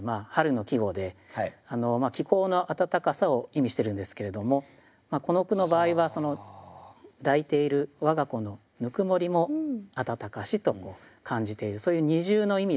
気候の暖かさを意味してるんですけれどもこの句の場合は抱いている我が子のぬくもりも「暖かし」と感じているそういう二重の意味でですね。